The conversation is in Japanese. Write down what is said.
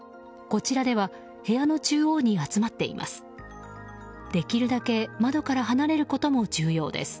こちらでは部屋の中央に集まっています。